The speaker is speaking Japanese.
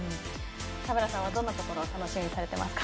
田村さんはどんなところを楽しみにされていますか？